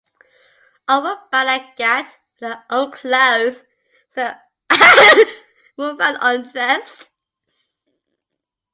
All were bound and gagged with their own clothes as they were found undressed.